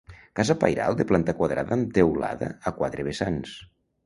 Casa pairal de planta quadrada amb teulada a quatre vessants.